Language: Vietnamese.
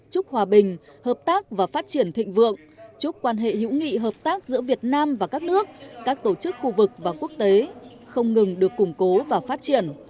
chúc hòa bình hợp tác và phát triển thịnh vượng chúc quan hệ hữu nghị hợp tác giữa việt nam và các nước các tổ chức khu vực và quốc tế không ngừng được củng cố và phát triển